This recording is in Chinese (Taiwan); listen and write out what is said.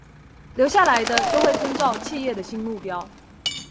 留下來的就會遵照企業的新目標